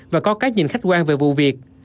và có cách nhìn khách quan về vụ việc